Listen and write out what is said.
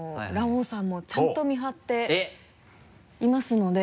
おうさんもちゃんと見張っていますので。